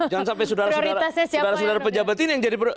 jangan sampai saudara saudara pejabat ini yang jadi